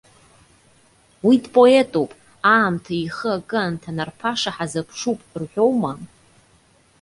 Уи дпоетуп, аамҭа ихы акы анҭанарԥаша ҳазыԥшуп!- рҳәоума?